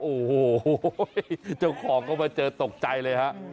โอ้โฮเจ้าของเข้ามาเจอตกใจเลยครับ